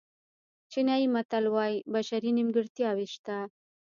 چینایي متل وایي بشري نیمګړتیاوې شته.